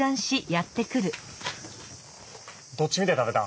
どっち見て食べた？